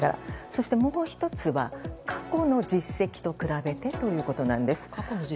そして、もう１つは過去の実績と比べてということなんです。